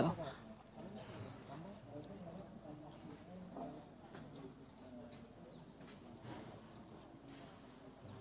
asri setelah mengunjungi simpang buki batabua